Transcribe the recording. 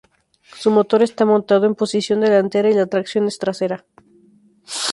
Su motor está montado en posición delantera y la tracción es trasera.